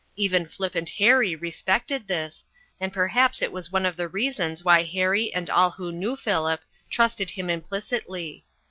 Even flippant Harry respected this, and perhaps it was one of the reasons why Harry and all who knew Philip trusted him implicitly.